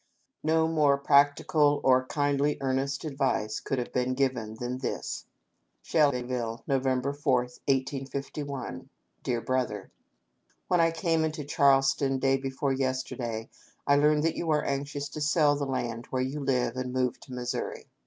No more practical or kindly earnest advice could have been given than this :" Shelbyville, Nov. 4, 1851. "Dear Brother :" When I came into Charleston day before yesterday I learned that you are anxious to sell the land where you live, and move to Missouri.